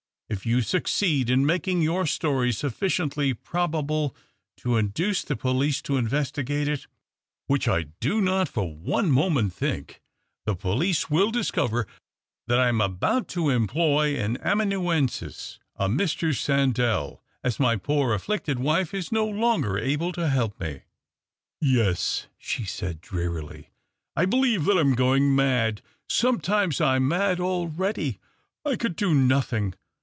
If ^ou succeed in making your story sufficiently 3robable to induce the police to investigate it —which I do not for one moment think — the Dolice will discover that I am about to employ m amanuensis, a Mr. Sandell, as my poor ifflicted wife is no longer able to help me." " Yes," she said, drearily, " I believe that '. am going mad. Sometimes I am mad dready. I could do nothing.